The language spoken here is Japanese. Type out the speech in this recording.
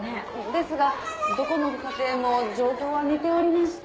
ですがどこのご家庭も状況は似ておりまして。